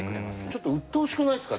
ちょっとうっとうしくないですか？